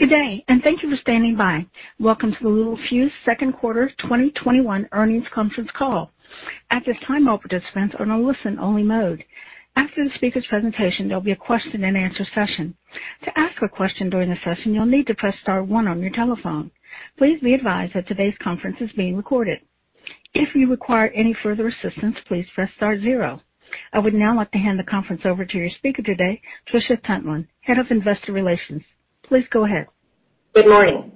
Good day, and thank you for standing by. Welcome to the Littelfuse second quarter 2021 earnings conference call. I would now like to hand the conference over to your speaker today, Trisha Tuntland, Head of Investor Relations. Please go ahead. Good morning,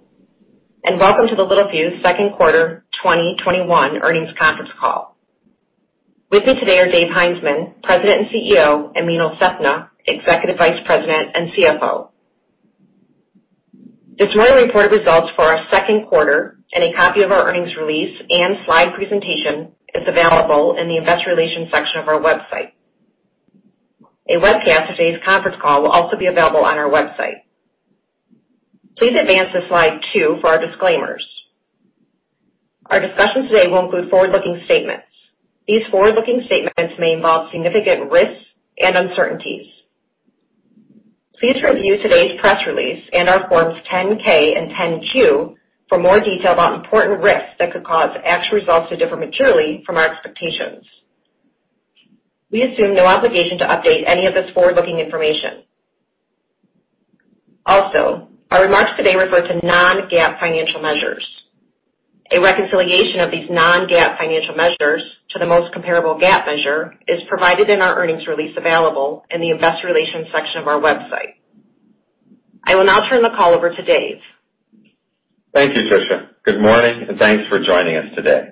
and welcome to the Littelfuse second quarter 2021 earnings conference call. With me today are Dave Heinzmann, President and CEO, and Meenal Sethna, Executive Vice President and CFO. This morning, we reported results for our second quarter, and a copy of our earnings release and slide presentation is available in the investor relations section of our website. A webcast of today's conference call will also be available on our website. Please advance to slide 2 for our disclaimers. Our discussion today will include forward-looking statements. These forward-looking statements may involve significant risks and uncertainties. Please review today's press release and our Forms 10-K and 10-Q for more detail about important risks that could cause actual results to differ materially from our expectations. We assume no obligation to update any of this forward-looking information. Our remarks today refer to non-GAAP financial measures. A reconciliation of these non-GAAP financial measures to the most comparable GAAP measure is provided in our earnings release available in the investor relations section of our website. I will now turn the call over to Dave. Thank you, Trisha. Good morning, and thanks for joining us today.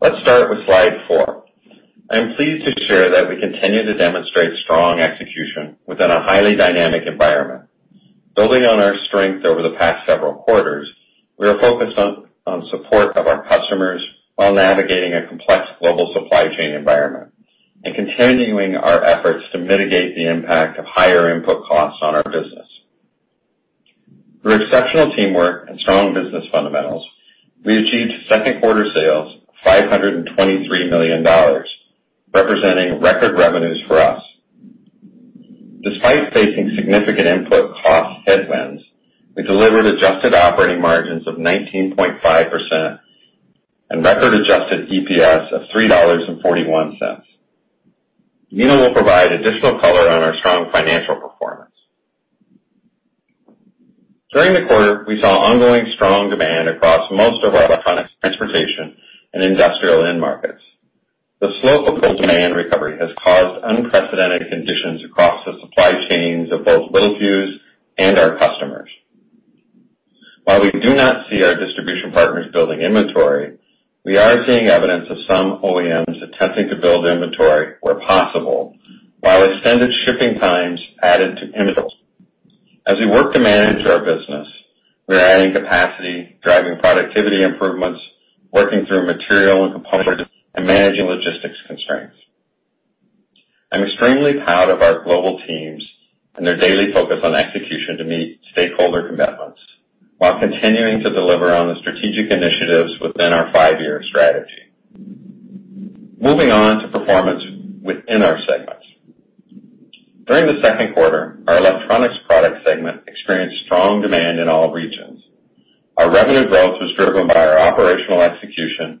Let's start with slide 4. I am pleased to share that we continue to demonstrate strong execution within a highly dynamic environment. Building on our strength over the past several quarters, we are focused on support of our customers while navigating a complex global supply chain environment and continuing our efforts to mitigate the impact of higher input costs on our business. Through exceptional teamwork and strong business fundamentals, we achieved second quarter sales of $523 million, representing record revenues for us. Despite facing significant input cost headwinds, we delivered adjusted operating margins of 19.5% and record adjusted EPS of $3.41. Meenal will provide additional color on our strong financial performance. During the quarter, we saw ongoing strong demand across most of our electronics, transportation, and industrial end markets. The slow global demand recovery has caused unprecedented conditions across the supply chains of both Littelfuse and our customers. While we do not see our distribution partners building inventory, we are seeing evidence of some OEMs attempting to build inventory where possible, while extended shipping times. As we work to manage our business, we are adding capacity, driving productivity improvements, working through material and component, and managing logistics constraints. I'm extremely proud of our global teams and their daily focus on execution to meet stakeholder commitments while continuing to deliver on the strategic initiatives within our five-year strategy. Moving on to performance within our segments. During the second quarter, our electronics product segment experienced strong demand in all regions. Our revenue growth was driven by our operational execution and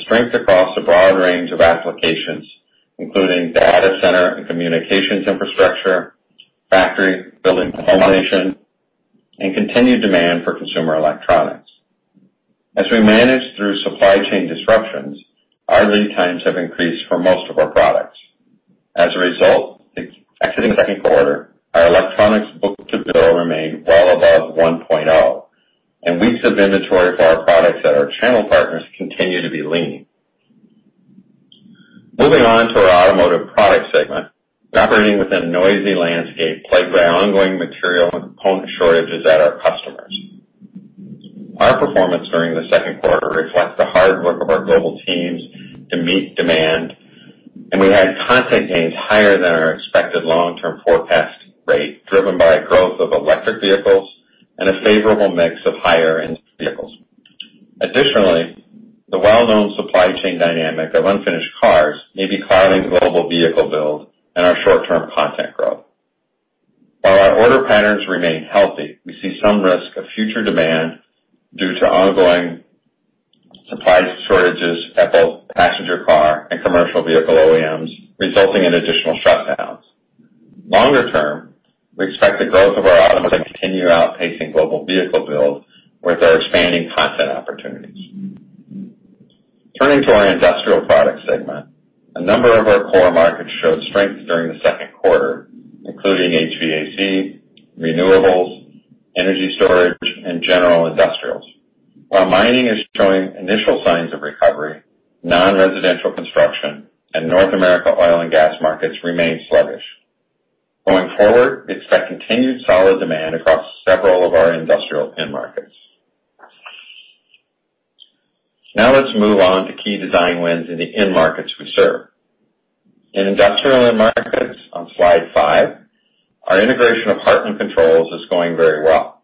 strength across a broad range of applications, including data center and communications infrastructure, factory, building, and continued demand for consumer electronics. As we manage through supply chain disruptions, our lead times have increased for most of our products. As a result, exiting the second quarter, our electronics book-to-bill remained well above 1.0, and weeks of inventory for our products at our channel partners continue to be lean. Moving on to our automotive product segment, we're operating within a noisy landscape plagued by ongoing material and component shortages at our customers. Our performance during the second quarter reflects the hard work of our global teams to meet demand, and we had content gains higher than our expected long-term forecast rate, driven by growth of electric vehicles and a favorable mix of higher-end vehicles. Additionally, the well-known supply chain dynamic of unfinished cars may be clouding global vehicle build and our short-term content growth. While our order patterns remain healthy, we see some risk of future demand due to ongoing supply shortages at both passenger car and commercial vehicle OEMs, resulting in additional shutdowns. Longer term, we expect the growth of our automotive to continue outpacing global vehicle build with our expanding content opportunities. Turning to our industrial product segment. A number of our core markets showed strength during the second quarter, including HVAC, renewables, energy storage, and general industrials. While mining is showing initial signs of recovery, non-residential construction and North America oil and gas markets remain sluggish. Going forward, we expect continued solid demand across several of our industrial end markets. Now let's move on to key design wins in the end markets we serve. In industrial end markets, on slide 5, our integration of Hartland Controls is going very well.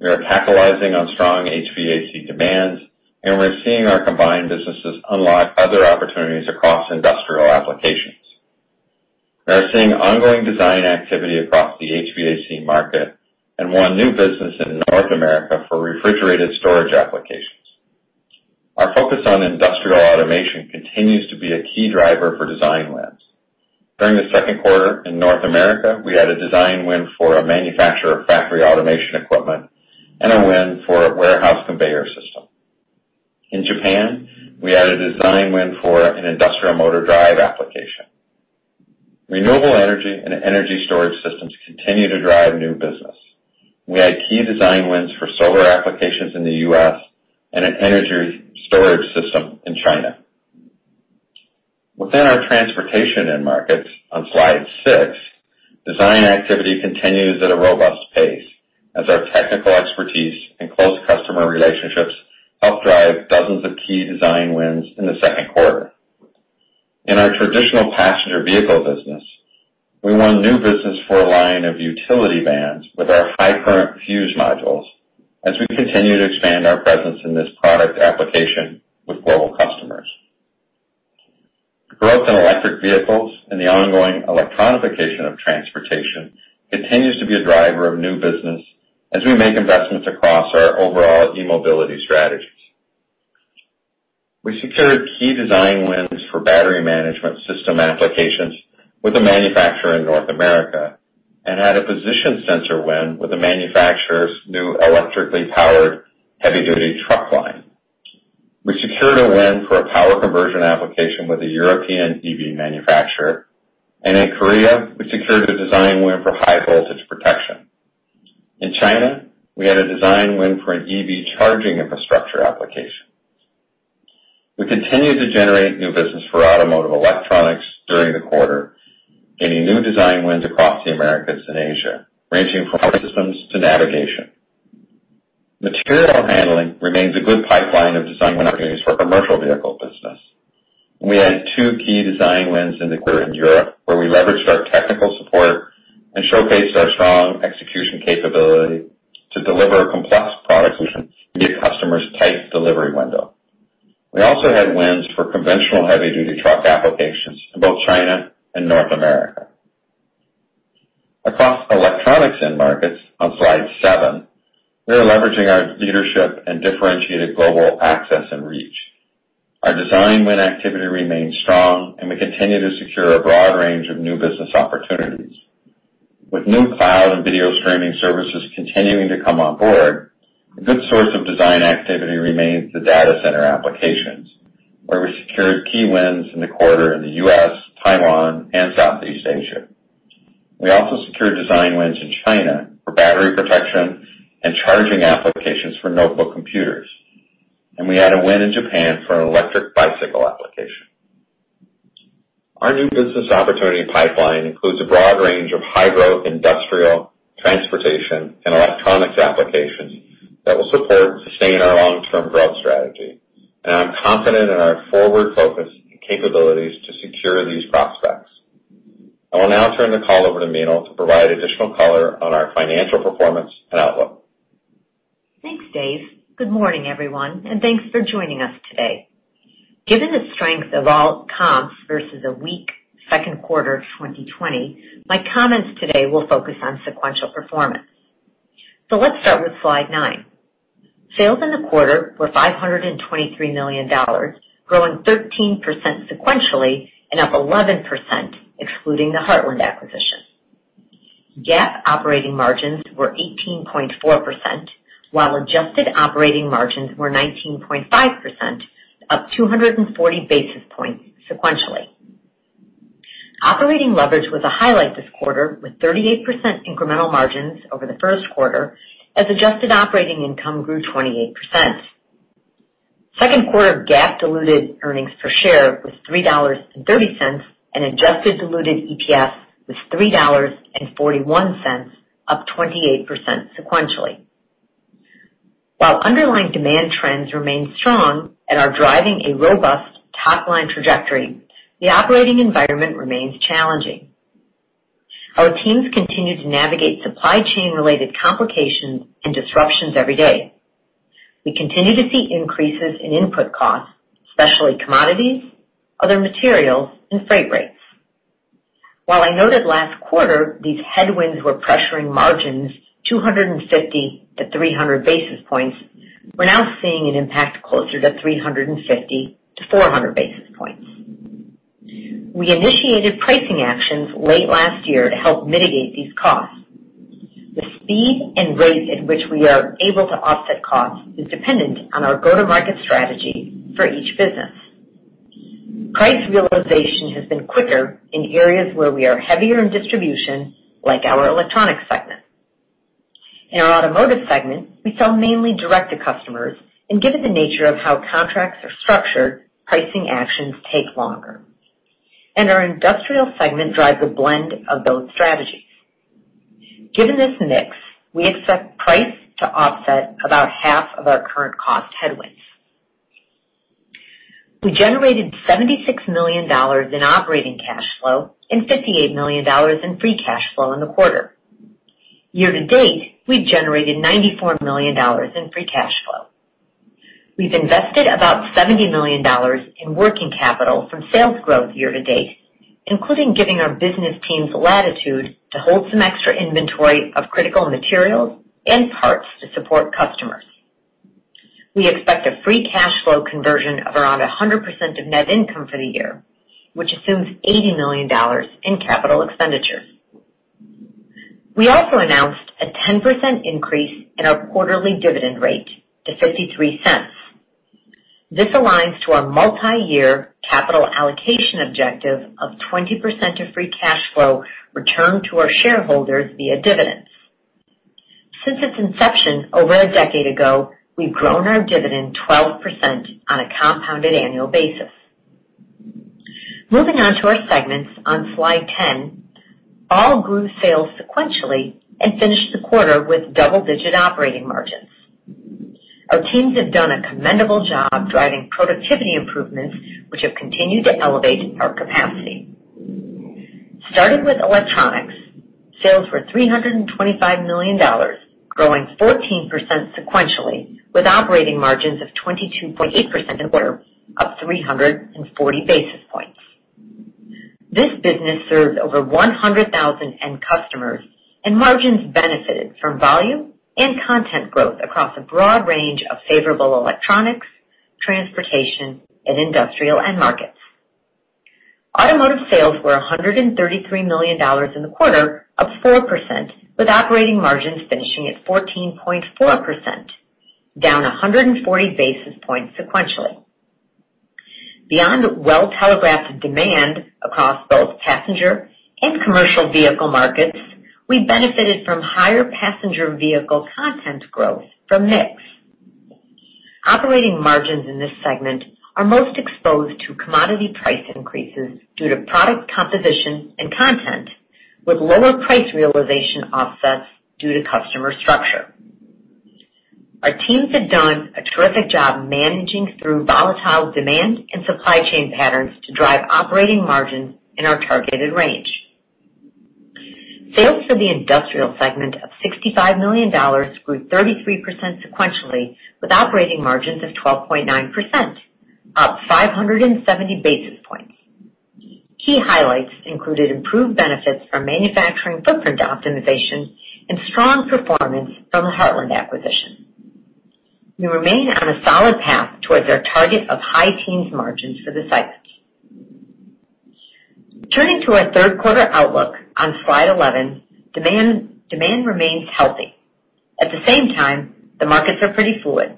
We are capitalizing on strong HVAC demands, and we're seeing our combined businesses unlock other opportunities across industrial applications. We are seeing ongoing design activity across the HVAC market and won new business in North America for refrigerated storage applications. Our focus on industrial automation continues to be a key driver for design wins. During the second quarter in North America, we had a design win for a manufacturer of factory automation equipment and a win for a warehouse conveyor system. In Japan, we had a design win for an industrial motor drive application. Renewable energy and energy storage systems continue to drive new business. We had key design wins for solar applications in the U.S. and an energy storage system in China. Within our transportation end markets, on slide 6, design activity continues at a robust pace as our technical expertise and close customer relationships help drive dozens of key design wins in the second quarter. In our traditional passenger vehicle business, we won new business for a line of utility vans with our high current fuse modules as we continue to expand our presence in this product application with global customers. Growth in electric vehicles and the ongoing electronification of transportation continues to be a driver of new business as we make investments across our overall e-mobility strategies. We secured key design wins for battery management system applications with a manufacturer in North America and had a position sensor win with the manufacturer's new electrically powered heavy-duty truck line. We secured a win for a power conversion application with a European EV manufacturer. In Korea, we secured a design win for high voltage protection. In China, we had a design win for an EV charging infrastructure application. We continued to generate new business for automotive electronics during the quarter, gaining new design wins across the Americas and Asia, ranging from systems to navigation. Material handling remains a good pipeline of design win opportunities for our commercial vehicle business. We had two key design wins in the quarter in Europe, where we leveraged our technical support and showcased our strong execution capability to deliver a complex product solution and meet a customer's tight delivery window. We also had wins for conventional heavy-duty truck applications in both China and North America. Across electronics end markets, on slide 7, we are leveraging our leadership and differentiated global access and reach. Our design win activity remains strong, and we continue to secure a broad range of new business opportunities. With new cloud and video streaming services continuing to come on board, a good source of design activity remains the data center applications, where we secured key wins in the quarter in the U.S., Taiwan, and Southeast Asia. We also secured design wins in China for battery protection and charging applications for notebook computers, and we had a win in Japan for an electric bicycle application. Our new business opportunity pipeline includes a broad range of high-growth industrial, transportation, and electronics applications that will support sustaining our long-term growth strategy, and I'm confident in our forward focus and capabilities to secure these prospects. I will now turn the call over to Meenal to provide additional color on our financial performance and outlook. Thanks, Dave. Good morning, everyone, and thanks for joining us today. Given the strength of all comps versus a weak second quarter 2020, my comments today will focus on sequential performance. Let's start with slide 9. Sales in the quarter were $523 million, growing 13% sequentially and up 11% excluding the Hartland acquisition. GAAP operating margins were 18.4%, while adjusted operating margins were 19.5%, up 240 basis points sequentially. Operating leverage was a highlight this quarter, with 38% incremental margins over the first quarter as adjusted operating income grew 28%. Second quarter GAAP diluted EPS was $3.30, and adjusted diluted EPS was $3.41, up 28% sequentially. While underlying demand trends remain strong and are driving a robust top-line trajectory, the operating environment remains challenging. Our teams continue to navigate supply chain-related complications and disruptions every day. We continue to see increases in input costs, especially commodities, other materials, and freight rates. While I noted last quarter these headwinds were pressuring margins 250 basis points-300 basis points, we're now seeing an impact closer to 350 basis points-400 basis points. We initiated pricing actions late last year to help mitigate these costs. The speed and rate at which we are able to offset costs is dependent on our go-to-market strategy for each business. Price realization has been quicker in areas where we are heavier in distribution, like our electronic segment. In our automotive segment, we sell mainly direct to customers, and given the nature of how contracts are structured, pricing actions take longer. Our industrial segment drives a blend of those strategies. Given this mix, we expect price to offset about half of our current cost headwinds. We generated $76 million in operating cash flow and $58 million in free cash flow in the quarter. Year to date, we've generated $94 million in free cash flow. We've invested about $70 million in working capital from sales growth year to date, including giving our business teams the latitude to hold some extra inventory of critical materials and parts to support customers. We expect a free cash flow conversion of around 100% of net income for the year, which assumes $80 million in capital expenditure. We also announced a 10% increase in our quarterly dividend rate to $0.53. This aligns to our multi-year capital allocation objective of 20% of free cash flow returned to our shareholders via dividends. Since its inception over a decade ago, we've grown our dividend 12% on a compounded annual basis. Moving on to our segments on slide 10, all grew sales sequentially and finished the quarter with double-digit operating margins. Our teams have done a commendable job driving productivity improvements, which have continued to elevate our capacity. Starting with electronics, sales were $325 million, growing 14% sequentially, with operating margins of 22.8% in quarter, up 340 basis points. This business serves over 100,000 end customers, margins benefited from volume and content growth across a broad range of favorable electronics, transportation, and industrial end markets. Automotive sales were $133 million in the quarter, up 4%, with operating margins finishing at 14.4%, down 140 basis points sequentially. Beyond well-telegraphed demand across both passenger and commercial vehicle markets, we benefited from higher passenger vehicle content growth from mix. Operating margins in this segment are most exposed to commodity price increases due to product composition and content, with lower price realization offsets due to customer structure. Our teams have done a terrific job managing through volatile demand and supply chain patterns to drive operating margins in our targeted range. Sales for the industrial segment of $65 million grew 33% sequentially, with operating margins of 12.9%, up 570 basis points. Key highlights included improved benefits from manufacturing footprint optimization and strong performance from the Hartland acquisition. We remain on a solid path towards our target of high teens margins for this item. Turning to our third quarter outlook on slide 11, demand remains healthy. At the same time, the markets are pretty fluid.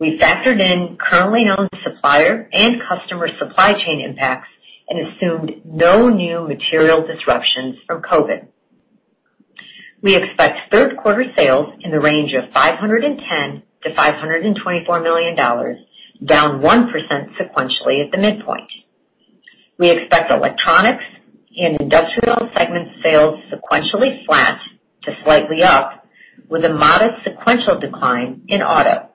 We factored in currently known supplier and customer supply chain impacts and assumed no new material disruptions from COVID. We expect third quarter sales in the range of $510 million-$524 million, down 1% sequentially at the midpoint. We expect electronics and industrial segment sales sequentially flat to slightly up, with a modest sequential decline in auto.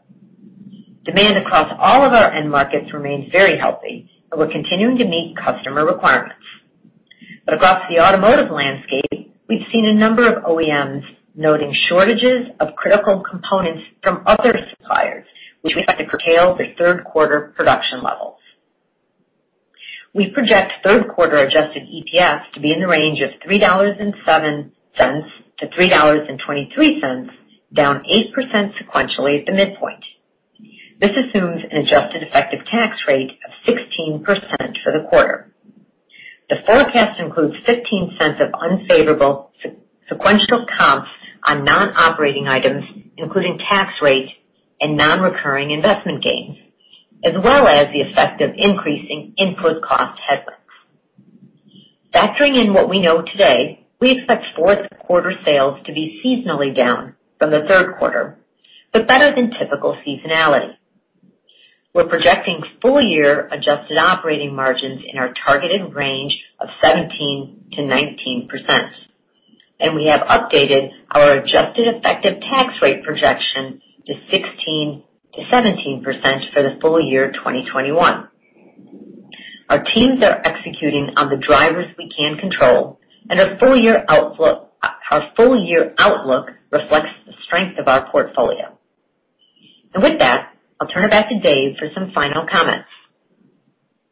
Demand across all of our end markets remains very healthy, and we're continuing to meet customer requirements. Across the automotive landscape, we've seen a number of OEMs noting shortages of critical components from other suppliers, which we expect to curtail their third quarter production levels. We project third quarter adjusted EPS to be in the range of $3.07-$3.23, down 8% sequentially at the midpoint. This assumes an adjusted effective tax rate of 16% for the quarter. The forecast includes $0.15 of unfavorable sequential comps on non-operating items, including tax rate and non-recurring investment gains, as well as the effect of increasing input cost headwinds. Factoring in what we know today, we expect fourth quarter sales to be seasonally down from the third quarter, but better than typical seasonality. We're projecting full-year adjusted operating margins in our targeted range of 17%-19%. We have updated our adjusted effective tax rate projection to 16%-17% for the full year 2021. Our teams are executing on the drivers we can control. Our full-year outlook reflects the strength of our portfolio. With that, I'll turn it back to Dave for some final comments.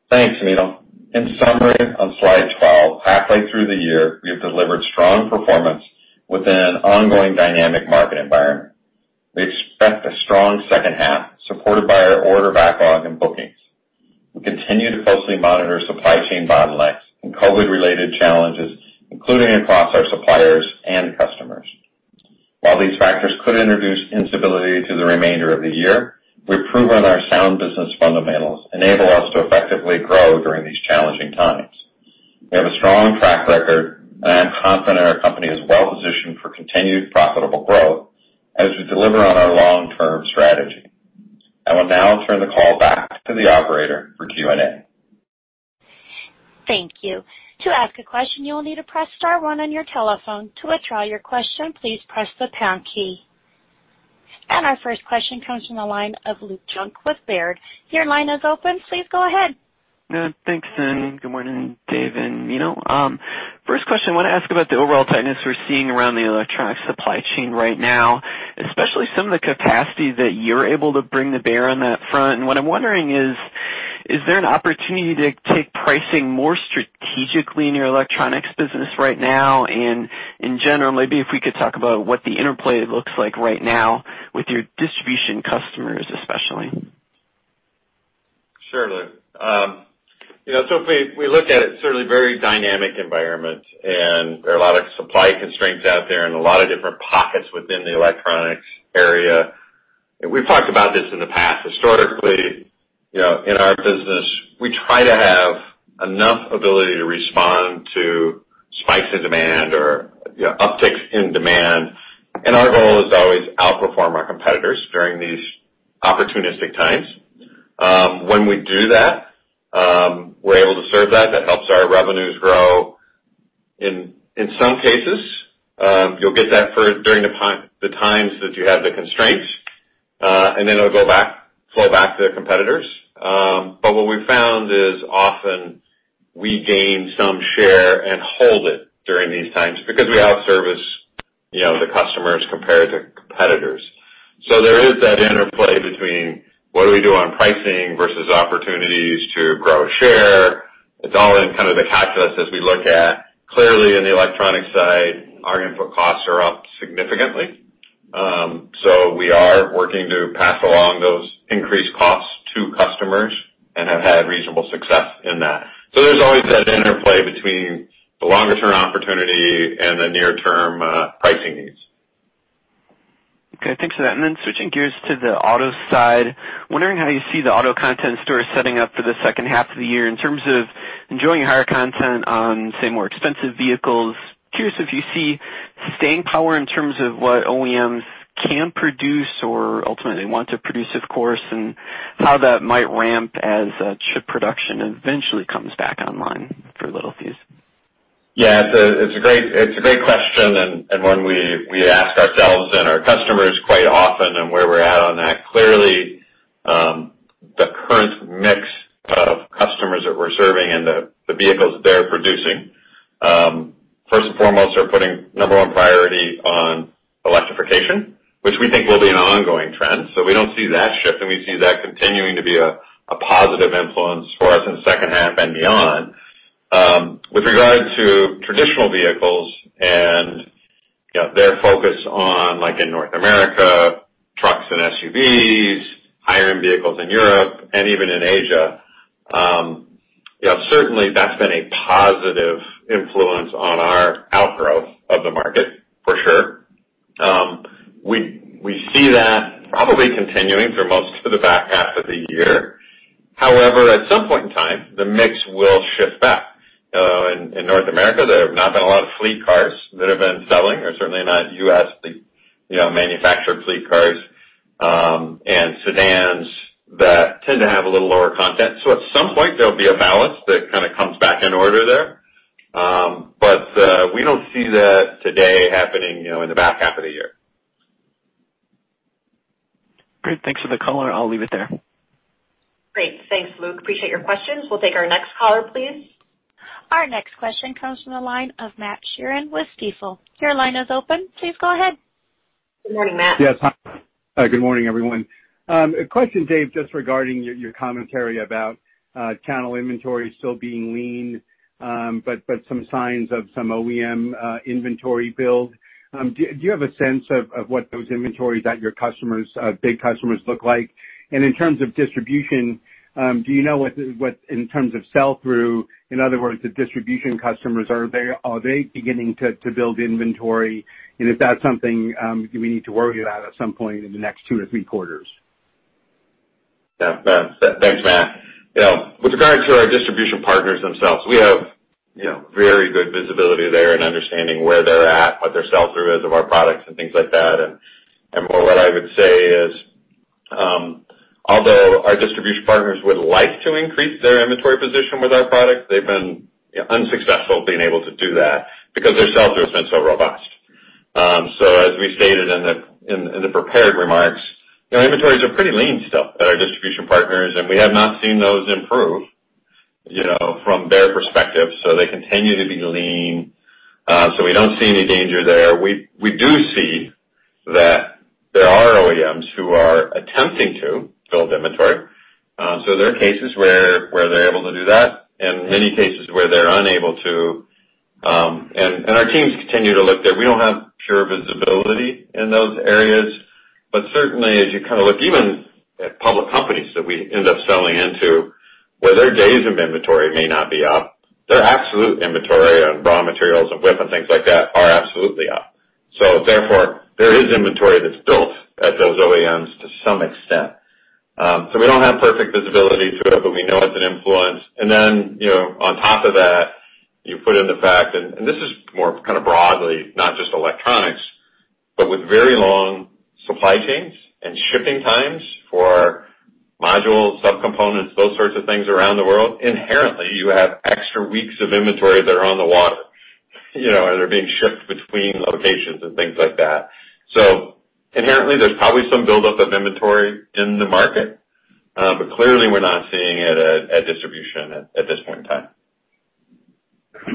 Thanks, Meenal. In summary, on slide 12, halfway through the year, we have delivered strong performance within an ongoing dynamic market environment. We expect a strong second half, supported by our order backlog and bookings. We continue to closely monitor supply chain bottlenecks and COVID-related challenges, including across our suppliers and customers. These factors could introduce instability to the remainder of the year, we've proven our sound business fundamentals enable us to effectively grow during these challenging times. We have a strong track record. I am confident our company is well-positioned for continued profitable growth as we deliver on our long-term strategy. I will now turn the call back to the operator for Q&A. Thank you. To ask a question, you will need to press star one on your telephone. To withdraw your question, please press the pound key. Our first question comes from the line of Luke Junk with Baird. Your line is open. Please go ahead. Thanks. Good morning, Dave. First question, I want to ask about the overall tightness we're seeing around the electronic supply chain right now, especially some of the capacity that you're able to bring to bear on that front. What I'm wondering is there an opportunity to take pricing more strategically in your electronics business right now and in general? Maybe if we could talk about what the interplay looks like right now with your distribution customers, especially. Sure, Luke. If we look at it's certainly a very dynamic environment, and there are a lot of supply constraints out there and a lot of different pockets within the electronics area. We've talked about this in the past. Historically, in our business, we try to have enough ability to respond to spikes in demand or upticks in demand, and our goal is to always outperform our competitors during these opportunistic times. When we do that, we're able to serve that. That helps our revenues grow. In some cases, you'll get that during the times that you have the constraints, and then it'll flow back to the competitors. What we've found is often we gain some share and hold it during these times because we outservice the customers compared to competitors. There is that interplay between what do we do on pricing versus opportunities to grow share. It's always kind of the calculus as we look at. Clearly, in the electronic side, our input costs are up significantly. We are working to pass along those increased costs to customers and have had reasonable success in that. There's always that interplay between the longer-term opportunity and the near-term pricing needs. Okay, thanks for that. Switching gears to the auto side, wondering how you see the auto content store setting up for the second half of the year in terms of enjoying higher content on, say, more expensive vehicles. Curious if you see staying power in terms of what OEMs can produce or ultimately want to produce, of course, and how that might ramp as chip production eventually comes back online for Littelfuse. Yeah, it's a great question, and one we ask ourselves and our customers quite often and where we're at on that. Clearly, the current mix of customers that we're serving and the vehicles they're producing, first and foremost, are putting number one priority on electrification, which we think will be an ongoing trend. We don't see that shifting. We see that continuing to be a positive influence for us in the second half and beyond. With regard to traditional vehicles and their focus on, like in North America, trucks and SUVs, higher-end vehicles in Europe and even in Asia, certainly that's been a positive influence on our outgrowth of the market for sure. We see that probably continuing through most of the back half of the year. However, at some point in time, the mix will shift back. In North America, there have not been a lot of fleet cars that have been selling, or certainly not U.S.-manufactured fleet cars and sedans that tend to have a little lower content. At some point, there'll be a balance that kind of comes back in order there. We don't see that today happening in the back half of the year. Great. Thanks for the color. I'll leave it there. Great. Thanks, Luke. Appreciate your questions. We'll take our next caller, please. Our next question comes from the line of Matt Sheerin with Stifel. Your line is open. Please go ahead. Good morning, Matt. Yes, hi. Good morning, everyone. A question, Dave, just regarding your commentary about channel inventory still being lean, but some signs of some OEM inventory build. Do you have a sense of what those inventories at your big customers look like? In terms of distribution, do you know what, in terms of sell-through, in other words, the distribution customers, are they beginning to build inventory? If that's something we need to worry about at some point in the next two to three quarters? Thanks, Matt. With regard to our distribution partners themselves, we have very good visibility there and understanding where they're at, what their sell-through is of our products and things like that. More what I would say is, although our distribution partners would like to increase their inventory position with our product, they've been unsuccessful being able to do that because their sell-through has been so robust. As we stated in the prepared remarks, our inventories are pretty lean still at our distribution partners, and we have not seen those improve from their perspective. They continue to be lean. We don't see any danger there. We do see that there are OEMs who are attempting to build inventory. There are cases where they're able to do that and many cases where they're unable to. Our teams continue to look there. We don't have pure visibility in those areas, certainly as you kind of look even at public companies that we end up selling into, where their days of inventory may not be up, their absolute inventory on raw materials and WIP and things like that are absolutely up. Therefore, there is inventory that's built at those OEMs to some extent. We don't have perfect visibility to it, we know it's an influence. Then, on top of that, you put in the fact, this is more kind of broadly, not just electronics, with very long supply chains and shipping times for modules, subcomponents, those sorts of things around the world, inherently, you have extra weeks of inventory that are on the water. You know, they're being shipped between locations and things like that. Inherently, there's probably some buildup of inventory in the market, but clearly we're not seeing it at distribution at this point in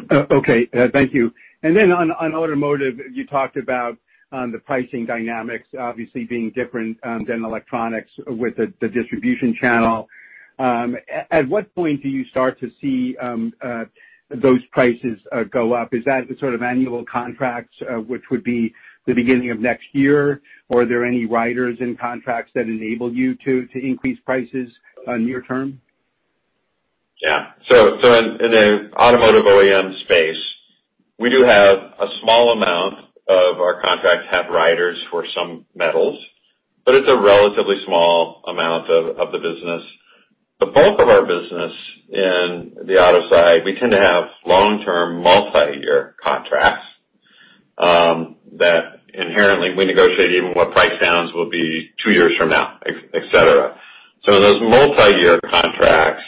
time. Okay. Thank you. On automotive, you talked about the pricing dynamics obviously being different than electronics with the distribution channel. At what point do you start to see those prices go up? Is that the sort of annual contracts, which would be the beginning of next year? Or are there any riders in contracts that enable you to increase prices near-term? In the automotive OEM space, we do have a small amount of our contracts have riders for some metals, but it's a relatively small amount of the business. The bulk of our business in the auto side, we tend to have long-term, multi-year contracts, that inherently we negotiate even what price sounds will be two years from now, et cetera. Those multi-year contracts,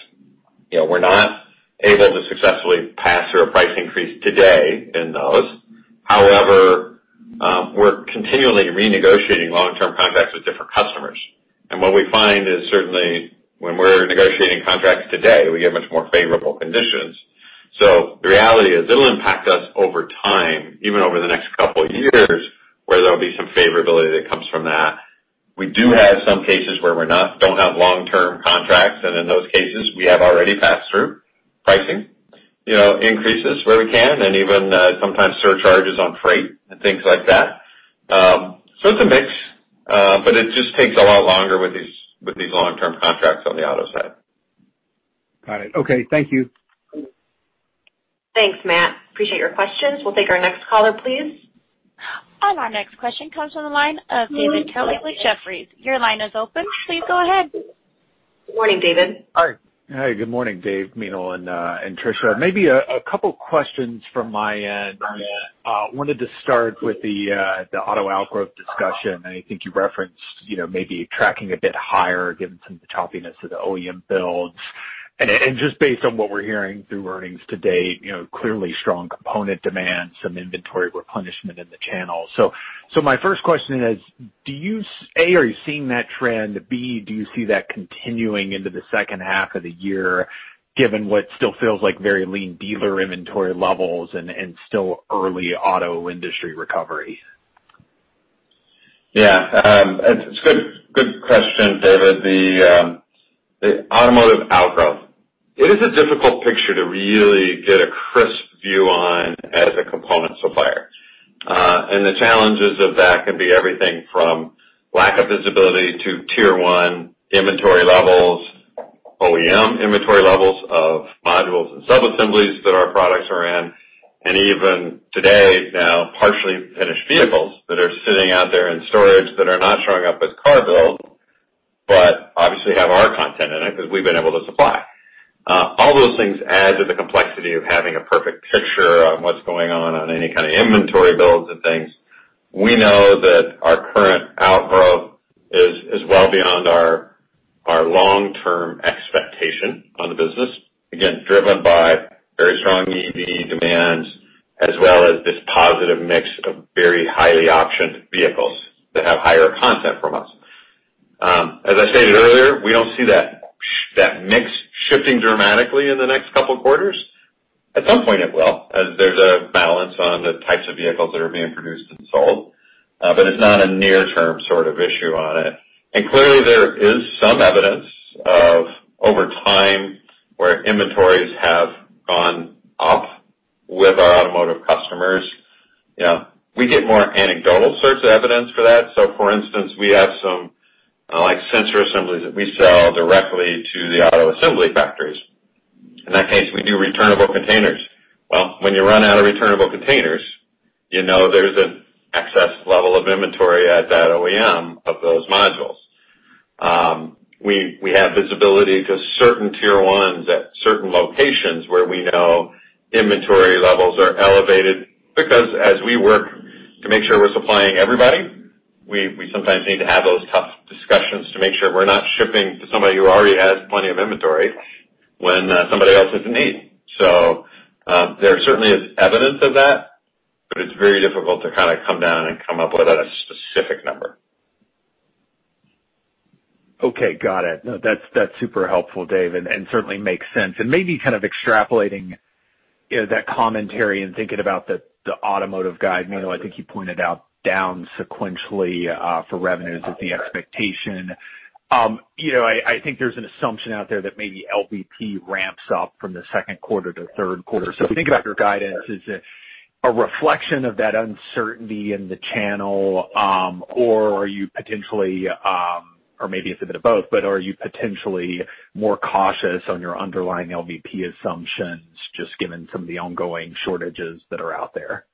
we're not able to successfully pass through a price increase today in those. However, we're continually renegotiating long-term contracts with different customers. What we find is certainly when we're negotiating contracts today, we get much more favorable conditions. The reality is it'll impact us over time, even over the next couple of years, where there'll be some favorability that comes from that. We do have some cases where we don't have long-term contracts. In those cases, we have already passed through pricing increases where we can and even sometimes surcharges on freight and things like that. It's a mix, but it just takes a lot longer with these long-term contracts on the auto side. Got it. Okay. Thank you. Thanks, Matt. Appreciate your questions. We'll take our next caller, please. Our next question comes from the line of David Kelly, Jefferies. Your line is open, so you go ahead. Good morning, David. Hi. Hi, good morning, Dave, Meenal and Trisha. Maybe a couple questions from my end. I wanted to start with the auto outgrowth discussion. I think you referenced maybe tracking a bit higher given some of the choppiness of the OEM builds. Just based on what we're hearing through earnings to date, clearly strong component demand, some inventory replenishment in the channel. My first question is, A, are you seeing that trend? B, do you see that continuing into the second half of the year, given what still feels like very lean dealer inventory levels and still early auto industry recovery? Yeah. It's a good question, David. The automotive outgrowth, it is a difficult picture to really get a crisp view on as a component supplier. The challenges of that can be everything from lack of visibility to tier 1 inventory levels, OEM inventory levels of modules and subassemblies that our products are in. Even today, now partially finished vehicles that are sitting out there in storage that are not showing up as car build, but obviously have our content in it because we've been able to supply. All those things add to the complexity of having a perfect picture on what's going on any kind of inventory builds and things. We know that our current outgrowth is well beyond our long-term expectation on the business. Again, driven by very strong EV demands, as well as this positive mix of very highly optioned vehicles that have higher content from us. As I stated earlier, we don't see that mix shifting dramatically in the next couple of quarters. At some point it will, as there's a balance on the types of vehicles that are being produced and sold, but it's not a near-term sort of issue on it. Clearly there is some evidence of over time where inventories have gone up with our automotive customers. We get more anecdotal sorts of evidence for that. For instance, we have some sensor assemblies that we sell directly to the auto assembly factories. In that case, we do returnable containers. When you run out of returnable containers, you know there's an excess level of inventory at that OEM of those modules. We have visibility to certain tier 1s at certain locations where we know inventory levels are elevated, because as we work to make sure we're supplying everybody, we sometimes need to have those tough discussions to make sure we're not shipping to somebody who already has plenty of inventory when somebody else is in need. There certainly is evidence of that, but it's very difficult to kind of come down and come up with a specific number. Okay. Got it. No, that's super helpful, Dave, and certainly makes sense. Maybe kind of extrapolating that commentary and thinking about the automotive guide, Meenal, I think you pointed out down sequentially for revenues is the expectation. I think there's an assumption out there that maybe LVP ramps up from the second quarter to third quarter. If you think about your guidance, is it a reflection of that uncertainty in the channel? Are you potentially, or maybe it's a bit of both, are you potentially more cautious on your underlying LVP assumptions, just given some of the ongoing shortages that are out there?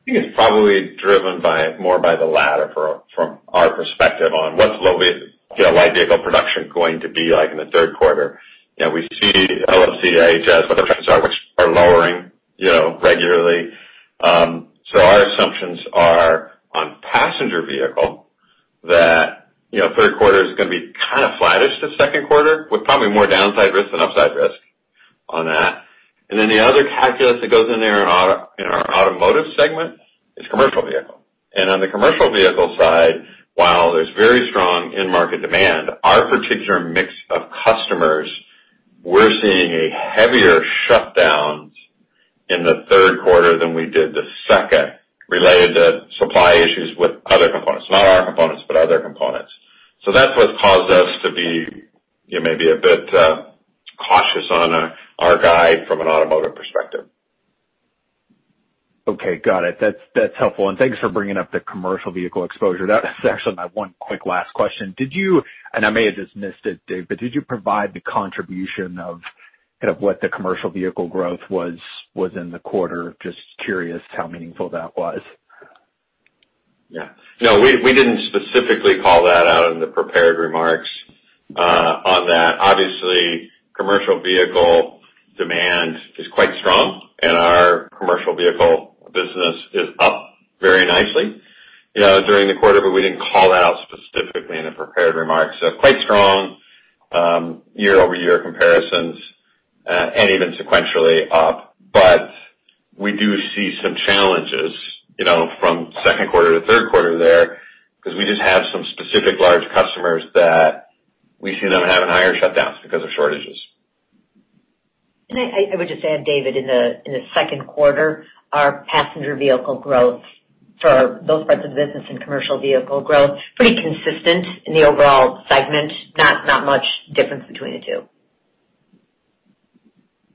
I think it's probably driven more by the latter from our perspective on what's light vehicle production going to be like in the third quarter. We see IHS are lowering regularly. Our assumptions are that passenger vehicle third quarter is going to be kind of flattish to second quarter, with probably more downside risk than upside risk on that. The other calculus that goes in there in our automotive segment is commercial vehicle. On the commercial vehicle side, while there's very strong in-market demand, our particular mix of customers, we're seeing a heavier shutdown in the third quarter than we did the second related to supply issues with other components. Not our components, but other components. That's what's caused us to be maybe a bit cautious on our guide from an automotive perspective. Okay, got it. That's helpful. Thanks for bringing up the commercial vehicle exposure. That was actually my one quick last question. Did you, and I may have just missed it, Dave, but did you provide the contribution of what the commercial vehicle growth was within the quarter? Just curious how meaningful that was. Yeah. No, we didn't specifically call that out in the prepared remarks on that. Obviously, commercial vehicle demand is quite strong, and our commercial vehicle business is up very nicely during the quarter, but we didn't call it out specifically in the prepared remarks. Quite strong year-over-year comparisons, and even sequentially up. We do see some challenges from second quarter to third quarter there, because we just have some specific large customers that we see them having higher shutdowns because of shortages. I would just add, David, in the second quarter, our passenger vehicle growth for those parts of the business and commercial vehicle growth, pretty consistent in the overall segment. Not much difference between the two.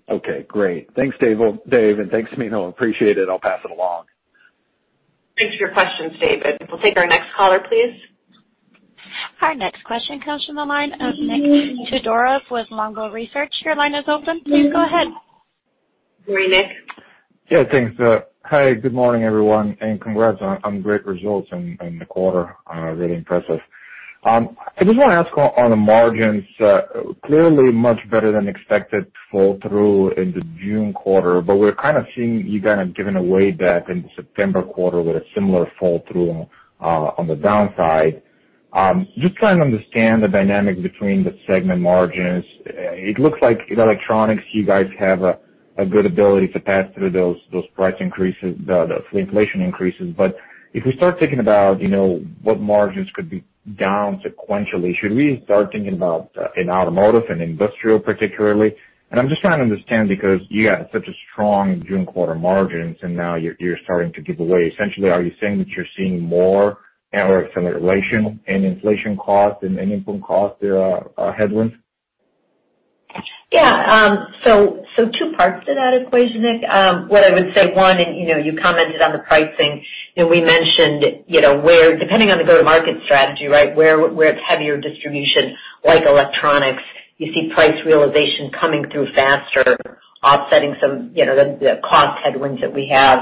Okay, great. Thanks, Dave. Thanks, Meenal. Appreciate it. I'll pass it along. Thanks for your questions, David. We'll take our next caller, please. Our next question comes from the line of Nikolay Todorov with Longbow Research. Your line is open. Please go ahead. Morning, Nick. Yeah, thanks. Hi, good morning, everyone, congrats on great results in the quarter. Really impressive. I just want to ask on the margins, clearly much better than expected fall through in the June quarter, but we're kind of seeing you guys giving away that in the September quarter with a similar fall through on the downside. Just trying to understand the dynamic between the segment margins. It looks like in electronics, you guys have a good ability to pass through those price increases, the inflation increases. If we start thinking about what margins could be down sequentially, should we start thinking about in automotive and industrial particularly? I'm just trying to understand because you had such a strong June quarter margins and now you're starting to give away. Essentially, are you saying that you're seeing more acceleration in inflation costs and input costs there are headwinds? Yeah. Two parts to that equation, Nick. What I would say, one, you commented on the pricing. We mentioned where depending on the go-to-market strategy, where it's heavier distribution, like electronics, you see price realization coming through faster, offsetting some the cost headwinds that we have.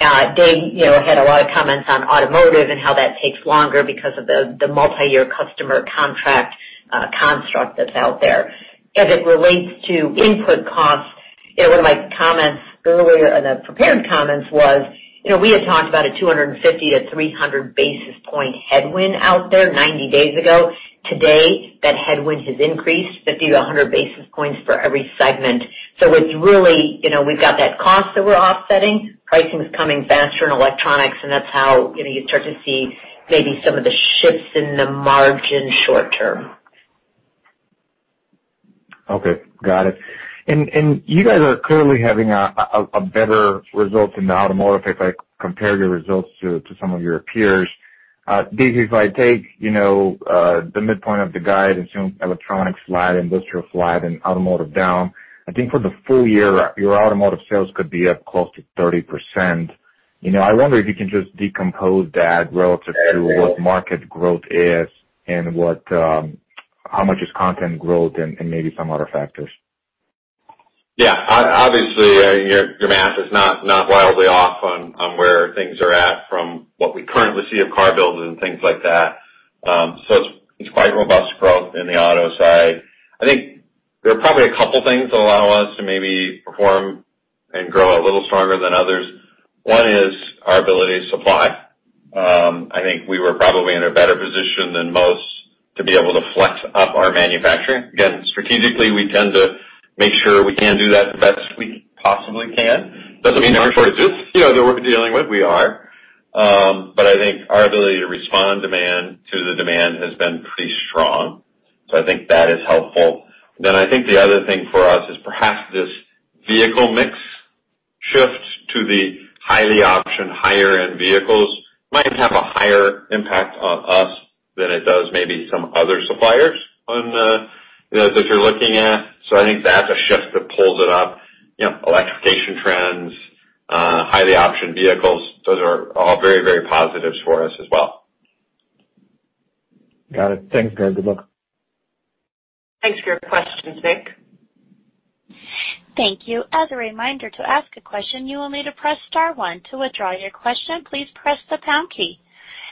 Dave had a lot of comments on automotive and how that takes longer because of the multi-year customer contract construct that's out there. As it relates to input costs, one of my comments earlier in the prepared comments was we had talked about a 250-300 basis point headwind out there 90 days ago. Today, that headwind has increased 50-100 basis points for every segment. It's really we've got that cost that we're offsetting. Pricing's coming faster in electronics, and that's how you start to see maybe some of the shifts in the margin short term. Okay. Got it. You guys are clearly having a better result in the automotive if I compare your results to some of your peers. Dave, if I take the midpoint of the guide, assume electronics flat, industrial flat, and automotive down, I think for the full year, your automotive sales could be up close to 30%. I wonder if you can just decompose that relative to what market growth is and how much is content growth and maybe some other factors. Yeah. Obviously, your math is not wildly off on where things are at from what we currently see of car builds and things like that. It's quite robust growth in the auto side. I think there are probably two things that allow us to maybe perform and grow a little stronger than others. One is our ability to supply. I think we were probably in a better position than most to be able to flex up our manufacturing. Again, strategically, we tend to make sure we can do that the best we possibly can. Doesn't mean there aren't shortages that we're dealing with. We are. I think our ability to respond to the demand has been pretty strong. I think that is helpful. I think the other thing for us is perhaps this vehicle mix shift to the highly optioned higher end vehicles might have a higher impact on us than it does maybe some other suppliers that you're looking at. I think that's a shift that pulls it up. Electrification trends, highly optioned vehicles, those are all very, very positives for us as well. Got it. Thanks, guys. Good luck. Thanks for your questions, Nick. Thank you. As a reminder, to ask a question, you will need to press star one. To withdraw your question, please press the pound key.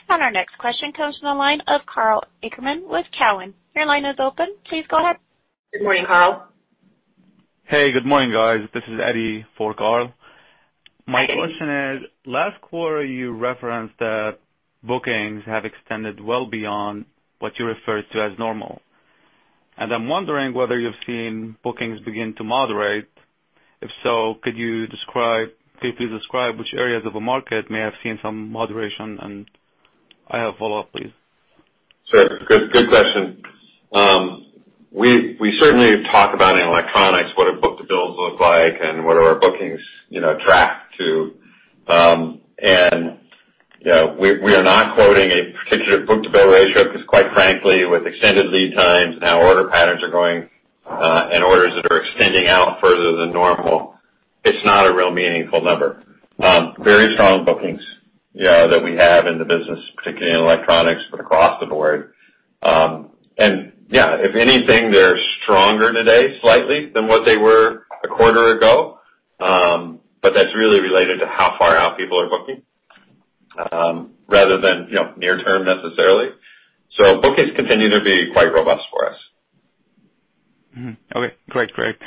Our next question comes from the line of Karl Ackerman with Cowen. Your line is open. Please go ahead. Good morning, Karl. Hey, good morning, guys. This is Eddie for Karl. My question is, last quarter you referenced that bookings have extended well beyond what you referred to as normal, and I'm wondering whether you've seen bookings begin to moderate. If so, could you please describe which areas of the market may have seen some moderation? I have follow-up, please. Sure. Good question. We certainly have talked about in electronics what our book-to-bills look like and what are our bookings track to. We are not quoting a particular book-to-bill ratio because quite frankly, with extended lead times and how order patterns are going, and orders that are extending out further than normal, it's not a real meaningful number. Very strong bookings that we have in the business, particularly in electronics, but across the board. Yeah, if anything, they're stronger today slightly than what they were a quarter ago. That's really related to how far out people are booking, rather than near term necessarily. Bookings continue to be quite robust for us. Okay. Great.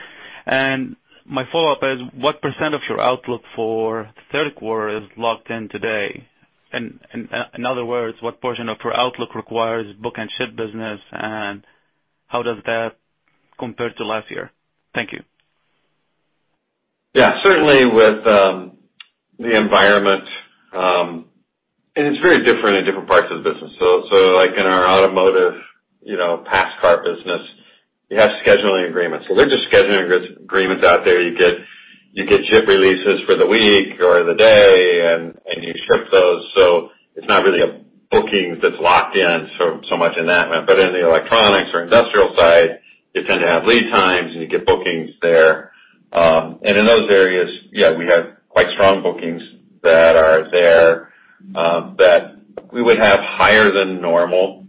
My follow-up is, what % of your outlook for the third quarter is locked in today? In other words, what portion of your outlook requires book and ship business, and how does that compare to last year? Thank you. Yeah, certainly with the environment, it's very different in different parts of the business. Like in our automotive pass car business, you have scheduling agreements. They're just scheduling agreements out there. You get ship releases for the week or the day, and you ship those. It's not really a booking that's locked in so much in that manner. In the electronics or industrial side, you tend to have lead times, and you get bookings there. In those areas, yeah, we have quite strong bookings that are there, that we would have higher than normal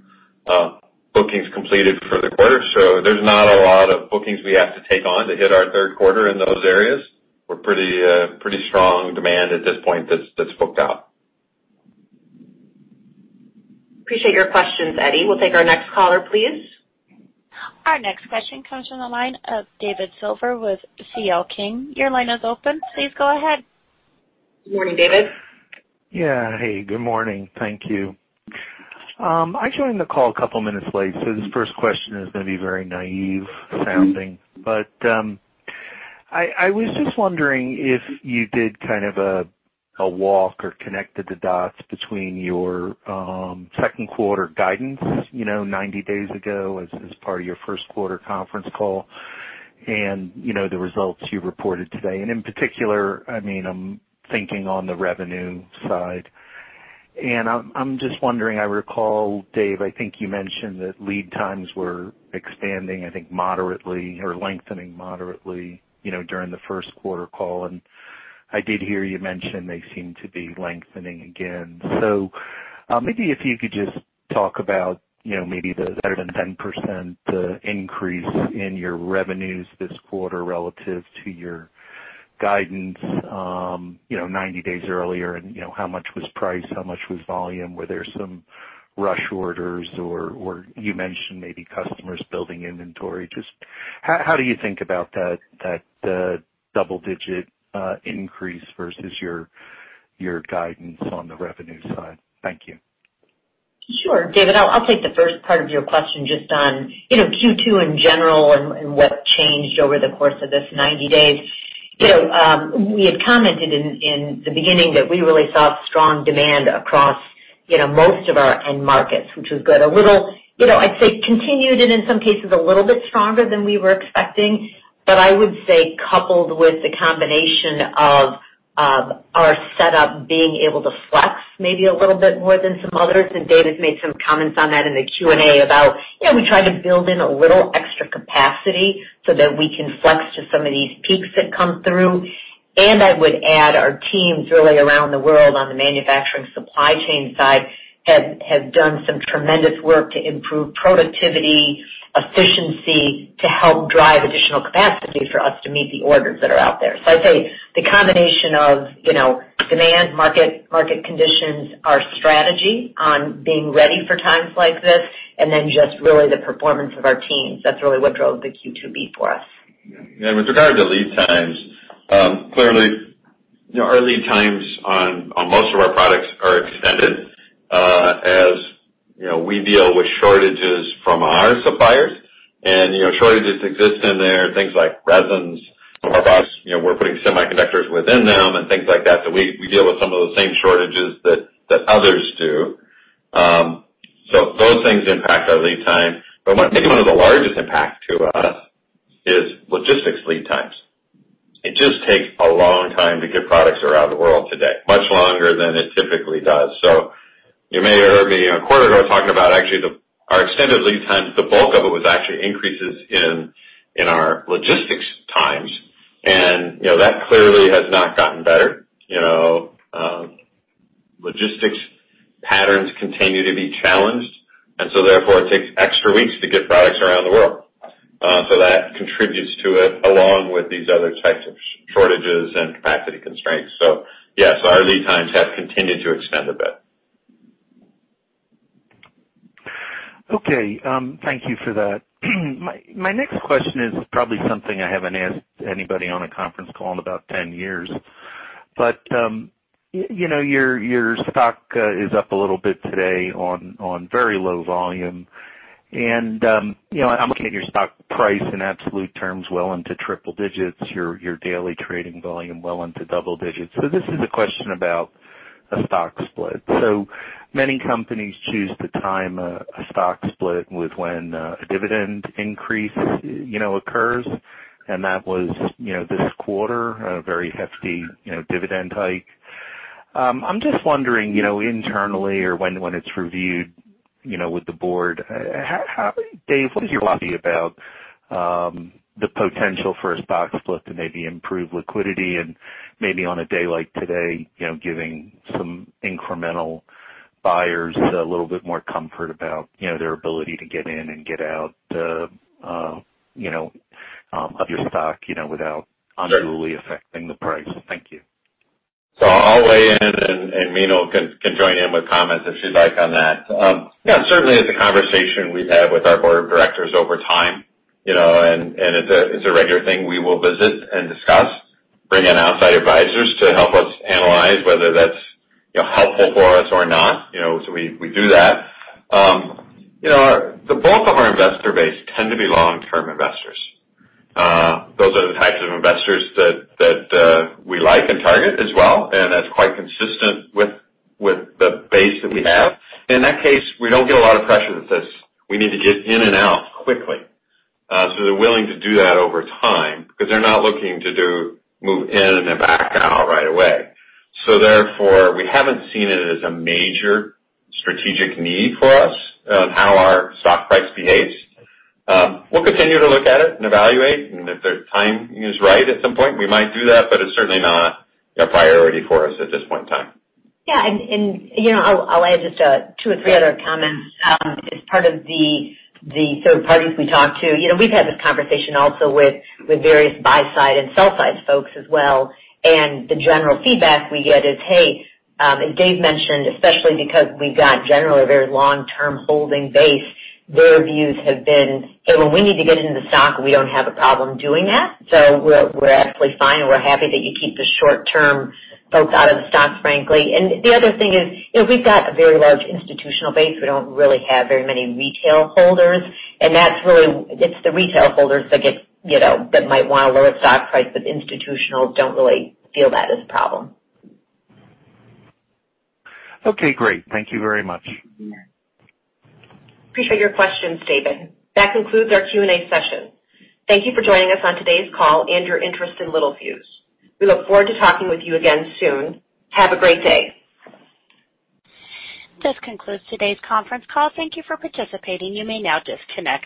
bookings completed for the quarter. There's not a lot of bookings we have to take on to hit our third quarter in those areas. We're pretty strong demand at this point that's booked out. Appreciate your questions, Eddie. We'll take our next caller, please. Our next question comes from the line of David Silver with C.L. King. Your line is open. Please go ahead. Good morning, David. Yeah. Hey, good morning. Thank you. I joined the call a couple minutes late, so this first question is going to be very naive sounding, but I was just wondering if you did kind of a walk or connected the dots between your second quarter guidance 90 days ago as part of your first quarter conference call, and the results you reported today. In particular, I'm thinking on the revenue side. I'm just wondering, I recall, Dave, I think you mentioned that lead times were expanding, I think moderately, or lengthening moderately during the first quarter call, and I did hear you mention they seem to be lengthening again. Maybe if you could just talk about maybe the better than 10% increase in your revenues this quarter relative to your guidance 90 days earlier, and how much was price, how much was volume? Were there some rush orders, or you mentioned maybe customers building inventory. Just how do you think about that double-digit increase versus your guidance on the revenue side? Thank you. Sure. David, I'll take the first part of your question just on Q2 in general and what changed over the course of this 90 days. We had commented in the beginning that we really saw strong demand across most of our end markets, which was good. A little, I'd say continued and in some cases a little bit stronger than we were expecting. I would say coupled with the combination of our setup being able to flex maybe a little bit more than some others, and David's made some comments on that in the Q&A about we try to build in a little extra capacity so that we can flex to some of these peaks that come through. I would add our teams really around the world on the manufacturing supply chain side have done some tremendous work to improve productivity, efficiency to help drive additional capacity for us to meet the orders that are out there. I'd say the combination of demand, market conditions, our strategy on being ready for times like this, and then just really the performance of our teams. That's really what drove the Q2 beat for us. With regard to lead times, clearly, our lead times on most of our products are extended. As we deal with shortages from our suppliers and shortages exist in there, things like resins. Our box, we're putting semiconductors within them and things like that. We deal with some of the same shortages that others do. Those things impact our lead time. I think one of the largest impacts to us is logistics lead times. It just takes a long time to get products around the world today. Much longer than it typically does. You may have heard me a quarter ago talking about actually our extended lead times. The bulk of it was actually increases in our logistics times, and that clearly has not gotten better. Logistics patterns continue to be challenged, and so therefore it takes extra weeks to get products around the world. That contributes to it along with these other types of shortages and capacity constraints. Yes, our lead times have continued to extend a bit. Okay. Thank you for that. My next question is probably something I haven't asked anybody on a conference call in about 10 years. Your stock is up a little bit today on very low volume. I'm looking at your stock price in absolute terms well into triple digits, your daily trading volume well into double digits. This is a question about a stock split. Many companies choose to time a stock split with when a dividend increase occurs. That was this quarter, a very hefty dividend hike. I'm just wondering, internally or when it's reviewed with the board, Dave, what is your philosophy about the potential for a stock split to maybe improve liquidity and maybe on a day like today, giving some incremental buyers a little bit more comfort about their ability to get in and get out of your stock without unduly affecting the price? Thank you. I'll weigh in, and Meenal can join in with comments if she'd like on that. Yeah, certainly it's a conversation we've had with our board of directors over time. It's a regular thing we will visit and discuss, bring in outside advisors to help us analyze whether that's helpful for us or not. We do that. The bulk of our investor base tend to be long-term investors. Those are the types of investors that we like and target as well, and that's quite consistent with the base that we have. In that case, we don't get a lot of pressure that says, "We need to get in and out quickly." They're willing to do that over time because they're not looking to move in and then back out right away. Therefore, we haven't seen it as a major strategic need for us on how our stock price behaves. We'll continue to look at it and evaluate, and if the timing is right at some point, we might do that, but it's certainly not a priority for us at this point in time. Yeah. I'll add just two or three other comments. As part of the third parties we talk to, we've had this conversation also with various buy-side and sell-side folks as well. The general feedback we get is, hey, and Dave mentioned, especially because we've got generally a very long-term holding base, their views have been, "Hey, when we need to get into the stock, we don't have a problem doing that. We're absolutely fine, and we're happy that you keep the short-term folks out of the stock, frankly." The other thing is we've got a very large institutional base. We don't really have very many retail holders, and it's the retail holders that might want a lower stock price, but institutionals don't really feel that is a problem. Okay, great. Thank you very much. Appreciate your question, David. That concludes our Q&A session. Thank you for joining us on today's call and your interest in Littelfuse. We look forward to talking with you again soon. Have a great day. This concludes today's conference call. Thank you for participating. You may now disconnect.